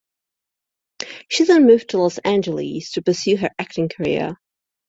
She then moved to Los Angeles to pursue her acting career.